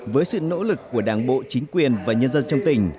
với sự nỗ lực của đảng bộ chính quyền và nhân dân trong tỉnh